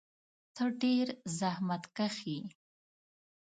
ته ډېر زحمتکښ یې.